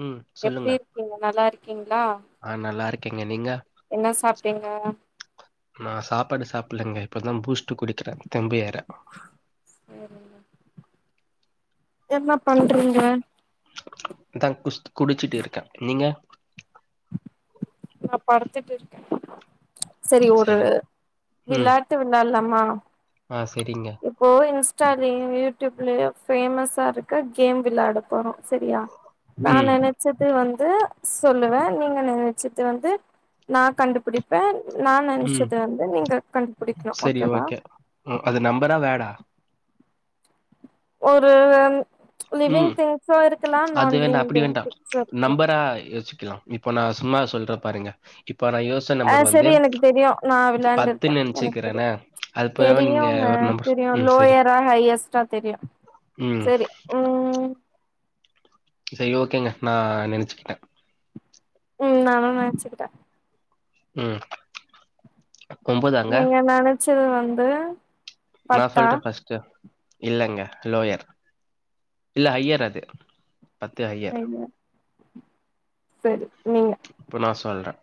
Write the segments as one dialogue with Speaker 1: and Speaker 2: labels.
Speaker 1: ம்
Speaker 2: எப்டி
Speaker 1: சொல்லுங்க
Speaker 2: இருக்கீங்க நல்லா இருக்கீங்களா
Speaker 1: ஆ நல்லாருக்கேங்க நீங்க
Speaker 2: என்ன சாப்ட்டீங்க
Speaker 1: நா சாப்பாடு சாப்பில்லங்க இப்பதா பூஸ்ட்டு குடிக்கறே தெம்பு ஏற
Speaker 2: சேரி என்னப் பண்றீங்க
Speaker 1: ப்ப தா குஸ்ட் குடிச்சிட்டிருக்கே நீங்க
Speaker 2: நா படுத்துட்டுருக்கே செரி ஒரு
Speaker 1: சரி ம்
Speaker 2: விளாட்டு விளாட்லாமா
Speaker 1: ஆ சரிங்க
Speaker 2: இப்போ இன்ஸ்டாலயு யூடியூப்லயு ஃபேமஸா இருக்க கேம் விளாட போறோ செரியா நா
Speaker 1: ம்
Speaker 2: நெனச்சது வந்து சொல்லுவே நீங்க நென ச்சது வந்து நா கண்டுப்பிடிப் பே நா
Speaker 1: ம்
Speaker 2: நெனச்சது வந்து நீங்க கண்டுப்பிடிக்ணு ஓகேவா
Speaker 1: ஒ அது நம்பரா வேடா
Speaker 2: ஒரு லிவிங்
Speaker 1: ம்
Speaker 2: திங்ஸ்சு இருக்கலா நான் லிவிங் திங்ஸ்சு இருக்கலா
Speaker 1: [unintelligible] ரா யோசிக்கலாம் இப்ப நா சும்மா சொல்ற பாருங்க இப்ப நா யோசி
Speaker 2: அ செரி எனக்கு தெரியு நா விளாண்டுருக்கே
Speaker 1: பத்துன்னு
Speaker 2: எனக் தெரியு
Speaker 1: நினச்சிக்கிறேனே அது பிறகு
Speaker 2: தெரியுங்க
Speaker 1: நீங்க
Speaker 2: உங்க
Speaker 1: ஒரு நம்பர்
Speaker 2: தெரியு
Speaker 1: ம் சரி
Speaker 2: லோயரா ஹையஸ்ட்டா தெரியு
Speaker 1: ம்
Speaker 2: சேரி ம்
Speaker 1: செரி ஓகேங்க நா நெனச்சுக்கிட்டே
Speaker 2: ம் நானு நெனச்சிக்கிட்டே
Speaker 1: ம் ஒம்பதா
Speaker 2: நீங்க நெனச்சது வந்து
Speaker 1: நா
Speaker 2: பத்தா
Speaker 1: சொல்ட்டா ஃபஸ்ட்டு இல்லங்க லோயர் இல்ல ஹைய்யர் அது பத்து ஹய்யர்
Speaker 2: செரி நீங்க
Speaker 1: இப்ப நா சொல்றே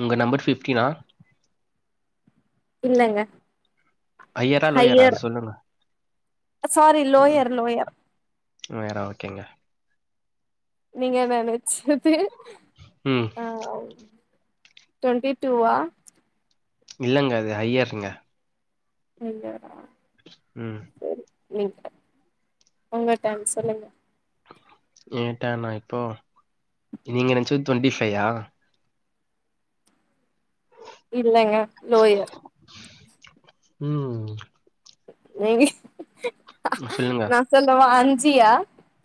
Speaker 1: உங்க நம்பர் ஃபிஃப்டீனா
Speaker 2: இல்லங்க
Speaker 1: ஹையரா லோயரா
Speaker 2: ஹைய்யர்
Speaker 1: அது சொல்லுங்க
Speaker 2: சாரி லோயர் லோயர்
Speaker 1: வேற ஓகேங்க
Speaker 2: நீங்க நெனச்சது
Speaker 1: ம்
Speaker 2: ஆ அவ் டொண்ட்டி டூவா
Speaker 1: இல்லங்க அது ஹய்யர்ங்க
Speaker 2: ஹைய்யரா
Speaker 1: ம்
Speaker 2: சேரி நீங்க உங்க டன் சொல்லுங்க
Speaker 1: ஏ டர்னா இப்போ நீங்க நெனச்சது டொண்ட்டி ஃபையா
Speaker 2: இல்லங்க லோயர்
Speaker 1: உம்
Speaker 2: நீங்க
Speaker 1: சொல்லுங்க
Speaker 2: சொல்லுமா அஞ்சியா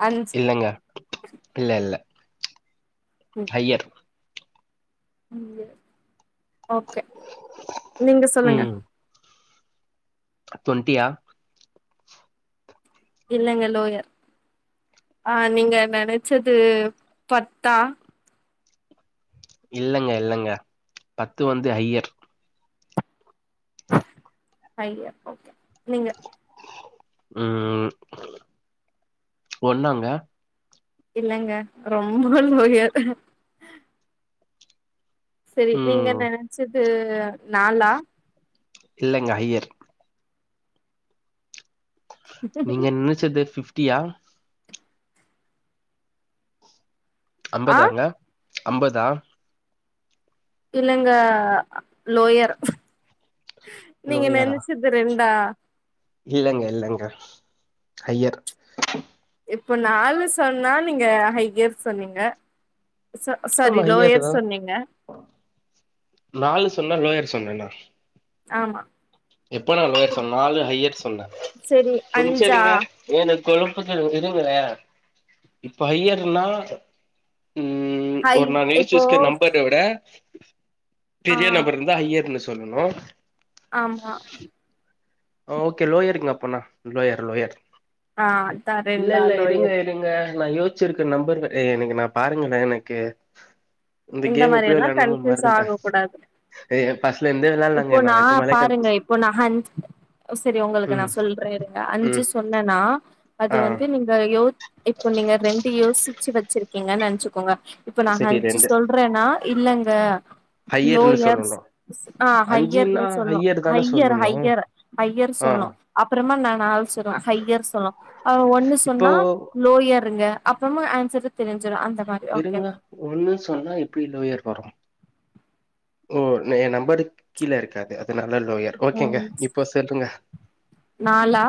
Speaker 2: அஞ்சு
Speaker 1: இல்லங்க இல்ல இல்ல ஹையர்
Speaker 2: ம் ஓகே நீங்கள் சொல்லுங்க
Speaker 1: டு்வெண்ட்டியா
Speaker 2: இல்லங்க லோயர் ஆ நீங்க நெனச்சது பத்தா
Speaker 1: இல்லங்க இல்லங்க பத்து வந்து ஹையர்
Speaker 2: ஹையர் ஓகே நீங்க
Speaker 1: ம் ஒன்னாங்க
Speaker 2: இல்லங்க ரொம்ப லோயர் செரி நீங்க
Speaker 1: ம்
Speaker 2: நனச்சது நாலா
Speaker 1: இல்லங்க ஹையர் நீங்க நெனச்சது ஃபிப்டியா
Speaker 2: ஆ
Speaker 1: அம்பதாங்க அம்பதா
Speaker 2: இல்லங்க லோயர் நீங்க
Speaker 1: லோயரா
Speaker 2: நெனச்சது ரெண்டா
Speaker 1: இல்லங்க இல்லங்க ஹையர்
Speaker 2: இப்ப நாலு சொன்னா நீங்க ஹையர் சொன்னீங்க ச சாரி
Speaker 1: ஆமா ஹையர்
Speaker 2: லோயர்
Speaker 1: தா
Speaker 2: சொன்னீங்க
Speaker 1: நாலு சொன்ன லோயர் சொன்னன்னா
Speaker 2: ஆமா
Speaker 1: எப்ப நா லோயர் சொன்ன நாலு ஹையர் சொன்ன
Speaker 2: செரி
Speaker 1: ஒரு நிமிஷோ
Speaker 2: அஞ்சா
Speaker 1: இரிங்க ஏன கொழப்பத்துல விடுங்களேன் இப்ப ஹையர்னா ம்
Speaker 2: ஹை
Speaker 1: ஒரு நா மெயின்
Speaker 2: இப்போ
Speaker 1: சிஸ்டர் நம்பர் விட
Speaker 2: ஆ
Speaker 1: பெரிய நம்பர் இருந்த ஹையர்னு சொல்லுணு
Speaker 2: ஆமா
Speaker 1: ஓகே லோயருக்கு அப்பனா லோயர் லோயர்
Speaker 2: ஆ அதா ரெண்டாலோயல்
Speaker 1: இருங்க நா யோசிச்சிருக்கிற நம்பர் இந்த கேம்
Speaker 2: மாரி
Speaker 1: எப்டி
Speaker 2: எல்லா
Speaker 1: விளையானும்
Speaker 2: கன்ஃபியூஸ்
Speaker 1: மறந்துட்ட
Speaker 2: ஆக கூடாது
Speaker 1: ஏ ஃபஸ்ட்ல இந்தே விளாளங்க நா நிஜமாவே கன்பியூஸ்
Speaker 2: இப்ப நகன் ந சரி உங்களுக்கு நா சொல்றேன்ங்க அஞ்சு
Speaker 1: ம்
Speaker 2: சொன்னனா அது
Speaker 1: ஆ
Speaker 2: வந்து நீங்க யோ இப்ப நீங்க ரெண்டு யோசிச்சு வச்சிருக்கீங்க நெனச்சுக்கோங்க இப்ப நா
Speaker 1: சரி
Speaker 2: அஞ்சு
Speaker 1: ரெண்டு
Speaker 2: சொன்னனா இல்லங்க
Speaker 1: ஹையர்ன்னு
Speaker 2: லோயர்ஸ்
Speaker 1: சொல்லணு
Speaker 2: ஆ
Speaker 1: அஞ்சுன்னா
Speaker 2: ஹையர்ன்னு சொல்ணு
Speaker 1: தான
Speaker 2: ஹையர்
Speaker 1: சொல்லணு
Speaker 2: ஹையர் ஹையர்
Speaker 1: ஆ
Speaker 2: சொல்ணு அப்பறமா நா நால் சொல்லுவ ஹையர் சொல்லா ஒண்ணு
Speaker 1: இப்போ
Speaker 2: சொன்னா லோயர்ங்க அப்பறமா ஆன்சர் தெரிஞ்சிரு அந்த மாரி ஓகேவா
Speaker 1: ஒண்ணு சொன்னா எப்டி லோயர் வரு ஓ என் நம்பரு கீழ இருக்காது அதனால லோயர் ஓகேங்க
Speaker 2: ம்
Speaker 1: இப்போ சொல்லுங்க
Speaker 2: நாலா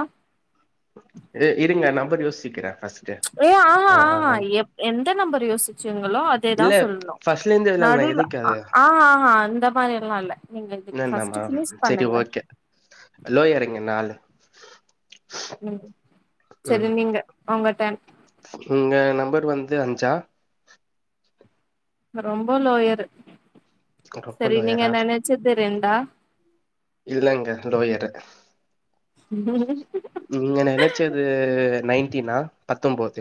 Speaker 1: ஏய் இருங்க நம்பர் யோசிக்கிற ஃபர்ஸ்ட்டு
Speaker 2: ஏ ஆஹா ஆஹா எ எந்த நம்பர் யோசிச்சுங்களோ அதேதா
Speaker 1: இல்ல
Speaker 2: சொல்ணு
Speaker 1: ஃபஸ்ட்லேந்து விளாட்லா
Speaker 2: நடுல
Speaker 1: எதுக்கு அது
Speaker 2: ஆ ஆஹா அந்த மாரி எல்லா இல்ல நீங்க இது
Speaker 1: இன்னு
Speaker 2: ஃபர்ஸ்ட்
Speaker 1: எண்ணமா
Speaker 2: ஃபினிஷ்
Speaker 1: செரி
Speaker 2: பண்ணுங்க
Speaker 1: ஓகே லோயர்ங்க நாலு
Speaker 2: ம் சரி
Speaker 1: ம்
Speaker 2: நீங்க உங்க டைம்
Speaker 1: உங்க நம்பர் வந்து அஞ்சா
Speaker 2: ரொம்ப லோயரு
Speaker 1: ரொம்ப
Speaker 2: சரி நீங்க
Speaker 1: லோயரா
Speaker 2: நனச்சது ரெண்டா
Speaker 1: இல்லங்க லோயரு நீங்க நனச்சது நைன்டீனா பத்தொன்பது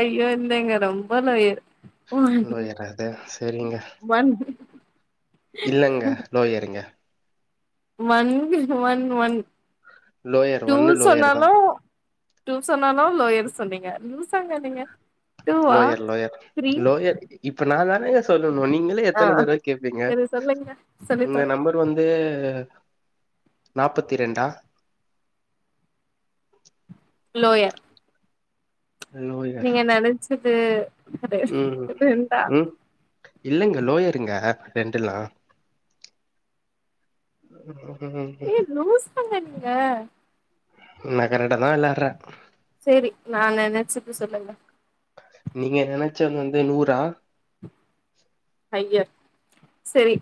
Speaker 2: ஐயோ இல்லைங்க ரொம்ப லோயர் ஒன்
Speaker 1: லோயரா அது செரிங்க
Speaker 2: ஒன்
Speaker 1: இல்லைங்க லோயர்ங்க
Speaker 2: one one one
Speaker 1: lower
Speaker 2: two
Speaker 1: ஒன்னு லோயர் தா
Speaker 2: சொன்னாலு டூ சொன்னாலு லோயர் சொன்னீங்க லூசாக நீங்க டூவா
Speaker 1: லோயர் லோயர்
Speaker 2: த்ரீ
Speaker 1: லோயர் இப்ப நான் தானேங்க சொல்லணு நீங்களே எத்தன தடவ கேப்பீங்க
Speaker 2: சொல்லு
Speaker 1: உங்க நம்பர் வந்து நாபத்தி ரெண்டா
Speaker 2: லோயர்
Speaker 1: லோயர்
Speaker 2: நீங்க நனைச்சது
Speaker 1: ம் ம் இல்லங்க லோயர்ங்க ரெண்டுல்லா ம்
Speaker 2: ஏ லூசாங்க நீங்க
Speaker 1: நா கரெக்ட்டா தா வெளாட்ற
Speaker 2: சேரி நான் நெனைச்சது சொல்லுங்க
Speaker 1: நீங்க நெனைச்சது வந்து நூரா
Speaker 2: ஐயே செரி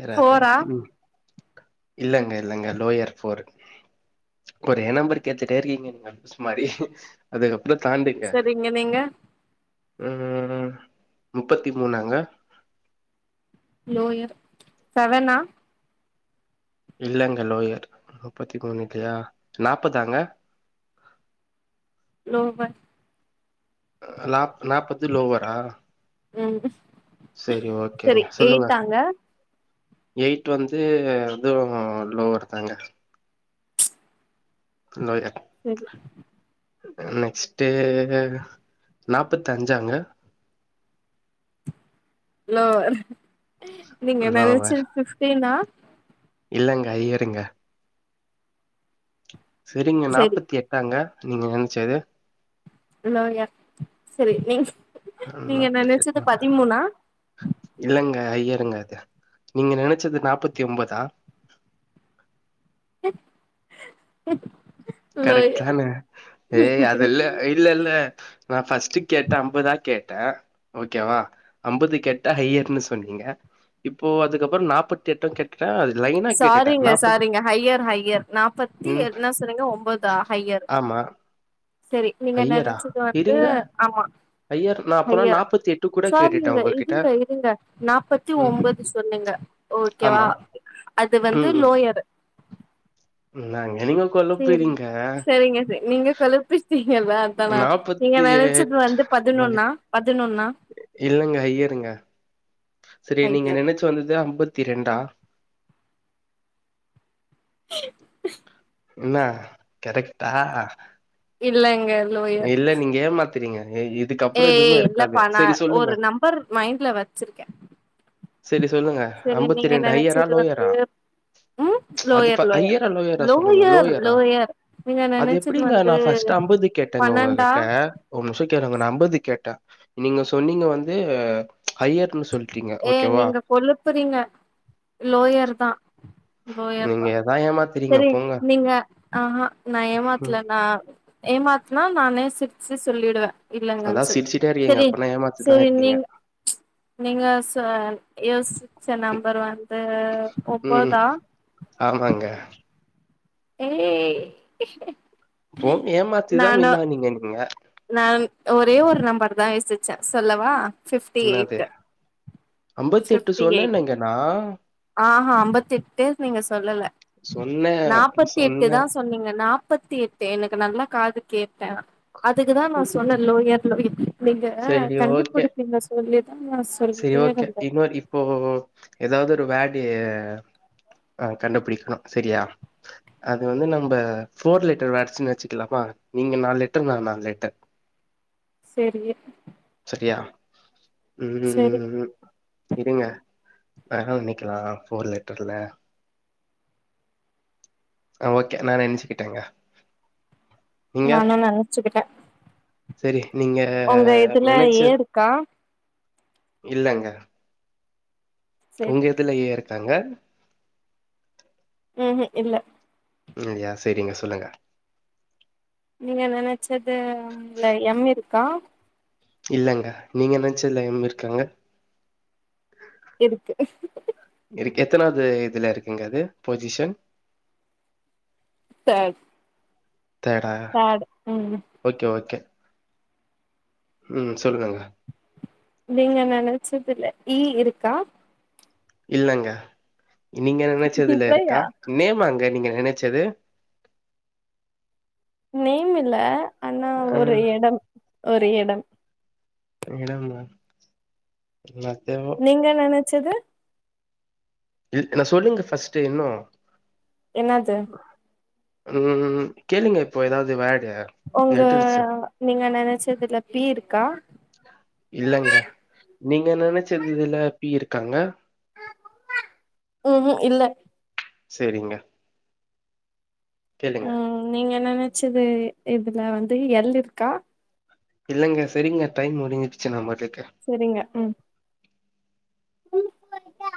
Speaker 1: ஏறாது
Speaker 2: ஃபோரா
Speaker 1: ம் இல்லங்க இல்லங்க லோயர் ஃபோர் ஒரு நம்பரு கேட்டுட்டே இருக்கீங்க நீங்க லூஸ் மாரி அதுக்கப் றம் தாண்டுங்க
Speaker 2: சரிங்க நீங்க
Speaker 1: ம் முப்பத்தி மூணாங்க
Speaker 2: லோயர் செவனா
Speaker 1: இல்லங்க லோயர் முப்பத்தி மூணு இல்லையா நாப்பதாங்க
Speaker 2: நோங்க
Speaker 1: நா நாற்பது லோவரா
Speaker 2: ம்
Speaker 1: சேரி ஓகேங்க
Speaker 2: செரி
Speaker 1: சொல்லுங்க
Speaker 2: எயிட்டாங்க
Speaker 1: எயிட் வந்து எதுவு லோவர் தாங்க லோயர்
Speaker 2: சேரி
Speaker 1: நெக்ஸ்ட்டு நாப்பத்தஞ்சாங்க
Speaker 2: லோவர் நீங்க
Speaker 1: லோவர்
Speaker 2: நேனைச்சது ஃபிஃப்டினா
Speaker 1: இல்லங்க ஹையர்ங்க செரிங்க
Speaker 2: செரி
Speaker 1: நாப்பத்தி எட்டாங்க நீங்க நெனைச்சது
Speaker 2: லோயர் செரி நீ நீங்க
Speaker 1: நாப்பத்தி எட்
Speaker 2: நெனைச்சது பதிமூணா
Speaker 1: இல்லங்க ஹையர்க அது நீங்க நெனைச்சது நாப்பத்தி ஒன்பதா
Speaker 2: [inaudible]
Speaker 1: கரெக்ட் தானே ஏய் அதில்ல ஏய் இல்ல இல்ல நா ஃபர்ஸ்ட்டு கேட்டே ஐம்பதா கேட்ட ஓகேவா ஐம்பது கேட்டா ஹையர்னு சொன்னீங்க இப்போ அதுக்கப்றோ நாப்பத்தி எட்டு கேட் டா அது இல்லைங்
Speaker 2: சாரிங்க சாரிங்க ஹையர் ஹையர் நாற்பத்தி
Speaker 1: ம்.
Speaker 2: என்ன சொன்னிங்க ஒம்போதா ஹையர்
Speaker 1: ஆமா.
Speaker 2: சேரி நீங்க
Speaker 1: ஹையரா?
Speaker 2: நெனைச்சது வந்து
Speaker 1: இருங்க.
Speaker 2: ஆமா
Speaker 1: ஹையர் நான் அப்பனா
Speaker 2: ஹையரா
Speaker 1: கூட கேட்டுட்டேன்
Speaker 2: சாரிங்க
Speaker 1: உங்ககிட்ட.
Speaker 2: இருங்க இருங்க நாப்பத்தி
Speaker 1: ம்.
Speaker 2: ஒன்பது சொன்னிங்க ஓகேவா
Speaker 1: ஆமா.
Speaker 2: அது வந்து லோயர்
Speaker 1: என்னாங்க நீங்க
Speaker 2: சேரிங்
Speaker 1: கொழப்புறீங்க
Speaker 2: செரிங்க செரி நீங்க கொழப்பிட்டீங்கல்ல அதா நா நீங்க நெனைச்சது வந்து பதினொன்னா பதினொன்னா
Speaker 1: இல்லைங்க ஹையருங்க சேரி நீங்க
Speaker 2: ஹையர்
Speaker 1: நெனைச்சி வந்தது ஐம்பத்தி ரெண்டா
Speaker 2: சரி [inaudible]
Speaker 1: இல்ல கரெக்டா
Speaker 2: இல்லங்கள் லோயர்
Speaker 1: ஏமாத்துறீங்க இ இதுக்கப்புறோ
Speaker 2: ஏ
Speaker 1: எதுவுமே இருக்காது
Speaker 2: இல்லப்பா நா
Speaker 1: செரி சொல்லுங்க
Speaker 2: ஒரு நம்பர் மைண்ட்ல வச்சிருக்கே
Speaker 1: சேரி சொல்லுங்க
Speaker 2: செரி
Speaker 1: அம்பத்தி
Speaker 2: நீங்க
Speaker 1: ரெண்டு ஐயரா
Speaker 2: நெனச்சது வந்து
Speaker 1: லோயரா
Speaker 2: ம்
Speaker 1: அது
Speaker 2: லோயர் லோயர்
Speaker 1: ஐயரா லோயரா சொல்லுங்க
Speaker 2: லோயர்
Speaker 1: லோயரா
Speaker 2: லோயர் நீங்க
Speaker 1: அது
Speaker 2: நெனச்சது
Speaker 1: எப்டிங்க
Speaker 2: வந்து
Speaker 1: நா ஃபர்ஸ்ட் அம்பது கேட்டேங்க
Speaker 2: பன்னெண்டா
Speaker 1: உங்ககிட்ட ஒரு நிமிஷம் கேளுங்க நா அம்பது கேட்டே நீங்க சொன்னீங்க வந்து ஐயர்னு சொல்
Speaker 2: ஏ நீங்க கொழுப்புறீங்க லோயர் தா
Speaker 1: நீங்க எதா ஏமாத்திரி
Speaker 2: சேரி நீங்க ஆஹா நா ஏமாத்தல
Speaker 1: ம்
Speaker 2: நா ஏமாத்தினா நானே சிரிச்சு சொல்லிடுவ
Speaker 1: அதா
Speaker 2: இல்லங்கன் சொல்லி
Speaker 1: சிரிச்சுட்டே இருக்கீங்க
Speaker 2: சேரி
Speaker 1: அப்பனா ஏமாத்திட்டுதா
Speaker 2: சேரி
Speaker 1: இருக்கீங்க
Speaker 2: நீங்க நீங்க சோ யோசிச்ச நம்பர் வந்து
Speaker 1: ம்
Speaker 2: ஒம்பதா
Speaker 1: ஆமாங்க
Speaker 2: ஏய்
Speaker 1: இப்போ ஏமாத்திதா
Speaker 2: நானு
Speaker 1: வின்னானீங்க நீங்க
Speaker 2: நான் ஒரே ஒரு நம்பர் தா யோசிச்சே சொல்லவா ஃபிப்டி
Speaker 1: என்னாது
Speaker 2: எயிட்
Speaker 1: அம்பத்தி எட்டு
Speaker 2: ஃபிப்டி எயிட்
Speaker 1: சொன்னேனங்கண்ணா
Speaker 2: ஆஹா அம்பத்தி எட்டு நீங்க சொல்லல
Speaker 1: சொன்னே
Speaker 2: நாப்பத்தி எட்டு
Speaker 1: சொன்னே
Speaker 2: தா சொன்னீங்க நாப்பத்தி எட்டு எனக்கு நல்லா காது கேட்ட நா அதுக்குதா நா சொன்னே லோயர் லோய நீங்க
Speaker 1: சரி ஓகே.
Speaker 2: கண்டுப்பிடிப்பீங்க சொல்லிதா நா சொல்
Speaker 1: சரி ஓகே இன்னொரு இப்போ ஏதாவது ஒரு வேர்டு ஆ கண்டுபிடிக்கணு சேரியா அது வந்து நம்ப ஃபோர் லெட்டர் வேர்ட்ஸ்ன்னு வச்சுக்கலாமா நீங்க நாலு லெட்டர் நா நாலு லெட் டர்
Speaker 2: செரி
Speaker 1: சரியா
Speaker 2: செரி
Speaker 1: உம் இருங்க வேறென்ன வைக்கலா ஃபோர் லெட்டர்ல ஆஹ் ஓகே நா நினைச்சுக்கிட்டேங்க
Speaker 2: நானும் நினைச்சுக்கிட்டே
Speaker 1: சரி நீங்க
Speaker 2: இதுல ஏ
Speaker 1: நினைச்சு
Speaker 2: இருக்கா
Speaker 1: இல்லங்க
Speaker 2: செரி
Speaker 1: உங்க இதுல ஏ இருக்காங்க
Speaker 2: உஹம் இல்ல
Speaker 1: இல்லயா சரிங்க சொல்லுங்க
Speaker 2: நீங்க நினச்சது ல எம் இருக்கா
Speaker 1: இல்லங்க நீங்க நினச்சதுல எம் இருக்காங்க
Speaker 2: இருக்கு
Speaker 1: இருக்கு எத்தனாவது இதுல இருக்குங்க அது பொசிஷன்
Speaker 2: தேர்ட்
Speaker 1: தேர்டா
Speaker 2: தேர்ட் ம்
Speaker 1: ஓகே ஓகே ம் சொல்லுங்கக
Speaker 2: நீங்க நினைச்சதுல ஈ இருக்கா
Speaker 1: இல்லங்க நீங்க நினைச்சதுல இருக்கா
Speaker 2: இல்லயா
Speaker 1: நேமாங்க நீங்க நினைச்சது
Speaker 2: நேம் இல்ல ஆனா
Speaker 1: அ
Speaker 2: ஒரு இடம் ஒரு இடம்
Speaker 1: இடம்மா மத்த
Speaker 2: நீங்க நெனச்சது
Speaker 1: சொல்லுங்க ஃபர்ஸ்ட்ட இன்னும்
Speaker 2: என்னது
Speaker 1: உம் கேளுங்க இப்போ ஏதாவது வேர்டு.
Speaker 2: உங்க
Speaker 1: லெட்டர்ஸு.
Speaker 2: நீங்க நினைச்சதுல பி இருக்கா
Speaker 1: இல்லங்க நீங்க நெனைச்ச இதுல பி இருக்காங்க
Speaker 2: ம்கும் இல்ல
Speaker 1: செரிங்க கேளுங்க
Speaker 2: ம் நீங்க நினைச்சது இதுல வந்து எல் இருக்கா
Speaker 1: இல்லைங்க சரிங்க டைம் முடிஞ்சிடுச்சு நம்மர் வைக்க
Speaker 2: செரிங்க ம் [unintelligible] வரட்டா